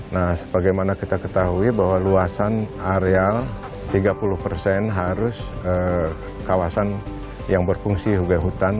nah sebagaimana kita ketahui bahwa luasan areal tiga puluh persen harus kawasan yang berfungsi sebagai hutan